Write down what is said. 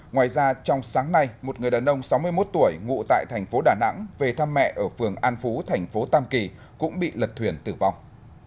ngoài ra trong sáng nay một người đàn ông sáu mươi một tuổi ngụ tại thành phố đà nẵng về thăm mẹ ở phường an phú thành phố tam kỳ cũng bị lật thuyền tử vong